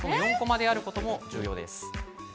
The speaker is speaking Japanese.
４コマであることも重要です。